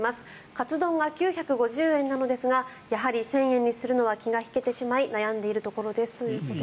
かつ丼が９５０円なのですがやはり１０００円にするのは気が引けてしまい悩んでいるところですということです。